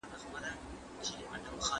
د مور لارښوونې د ماشوم چلند سموي.